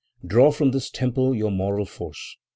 "Draw from this temple your moral force.